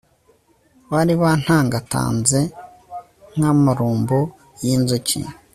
bari bantangatanze nk'amarumbo y'inzuki